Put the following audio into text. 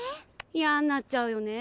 嫌んなっちゃうよね。